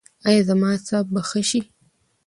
ایا زما اعصاب به ښه شي؟